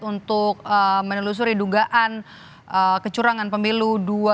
untuk menelusuri dugaan kecurangan pemilu dua ribu dua puluh